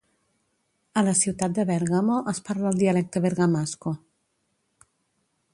A la ciutat de Bergamo es parla el dialecte bergamasco